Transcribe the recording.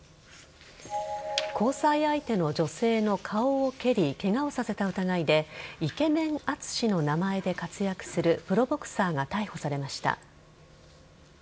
交際相手の女性の顔を蹴りケガをさせた疑いでイケメン淳の名前で活躍するプロボクサーが逮捕されました。